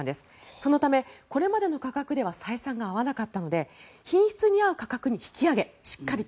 そのため、これまでの価格では採算が合わなかったので品質に合う価格に引き上げしっかりと。